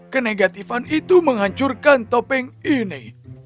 kenegatifan itu menghancurkan topeng ini